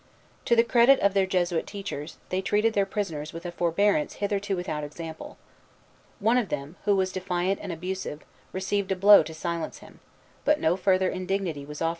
To the credit of their Jesuit teachers, they treated their prisoners with a forbearance hitherto without example. One of them, who was defiant and abusive, received a blow to silence him; but no further indignity was offered to either.